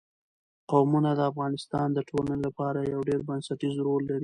قومونه د افغانستان د ټولنې لپاره یو ډېر بنسټيز رول لري.